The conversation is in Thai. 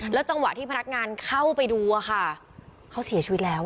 จังหวะที่พนักงานเข้าไปดูอะค่ะเขาเสียชีวิตแล้ว